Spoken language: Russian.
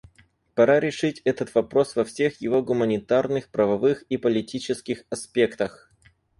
Пора решить этот вопрос во всех его гуманитарных, правовых и политических аспектах.